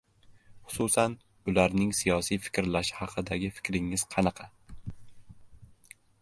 Hususan, ularning siyosiy fikrlashlari haqidagi fikringiz qanaqa?